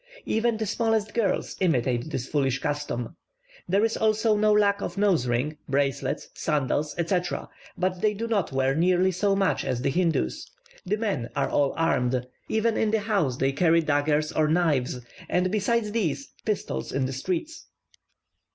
Even the smallest girls imitate this foolish custom. There is also no lack of nose rings, bracelets, sandals, etc.; but they do not wear nearly so many as the Hindoos. The men are all armed; even in the house they carry daggers or knives, and besides these, pistols in the streets.